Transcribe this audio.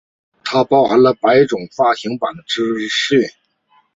它包含了数百种发行版的资讯。